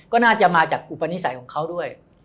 ก็น่าจะมาจากอุปนิสัยของเขาด้วย